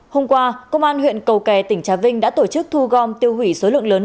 hôm qua công an huyện cầu kè tỉnh trà vinh đã tổ chức thu gom tiêu hủy số lượng lớn